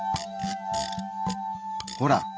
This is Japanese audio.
ほら！